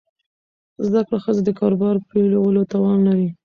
زده کړه ښځه د کاروبار پیلولو توان لري.